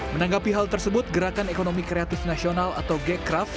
menanggapi hal tersebut gerakan ekonomi kreatif nasional atau gecraf